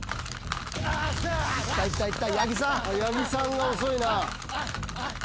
八木さんが遅いな。